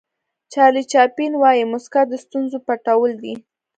چارلي چاپلین وایي موسکا د ستونزو پټول دي.